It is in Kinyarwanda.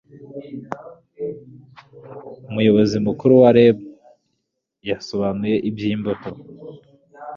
umuyobozi mukuru wa rab yasobanuye iby'imbuto